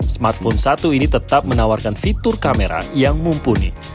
smartphone satu ini tetap menawarkan fitur kamera yang mumpuni